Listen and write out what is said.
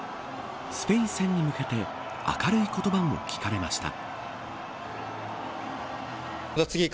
スペイン戦に向け明るい言葉も聞かれました。